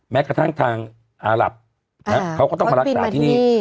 แม้กระทั่งทางอาหลับเขาก็ต้องมารักษาที่นี่